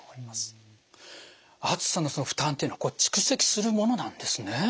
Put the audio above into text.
暑さの負担っていうのはこれ蓄積するものなんですね。